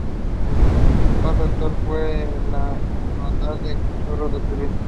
El paso actual fue de la Hermandad del Cachorro de Sevilla.